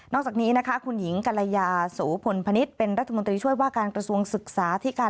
นอกจากนี้คุณหญิงกาลายาสูพลพณิชย์เป็นรัฐมนตรีว่าการกระสวงศึกษาธิการ